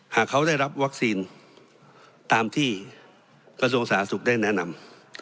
หากเขาได้รับวัคซีนตามที่กระทรวงสาธารณสุขได้แนะนำ